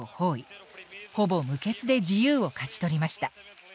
ほぼ無血で自由を勝ち取りました。